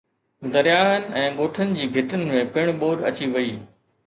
درياهن ۽ ڳوٺن جي گهٽين ۾ پڻ ٻوڏ اچي وئي